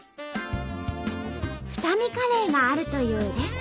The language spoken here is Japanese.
二海カレーがあるというレストランへ。